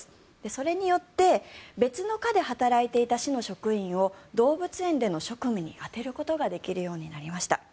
それによって別の課で働いていた市の職員を動物園での職務に充てることができるようになりました。